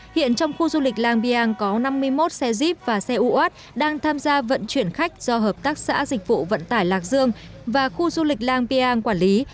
hiện trong khu du lịch làng biàng có năm mươi một xe jeep và xe uat đang tham gia vận chuyển khách do hợp tác xã dịch vụ vận tải lạc dương và khu du lịch lang biang quản lý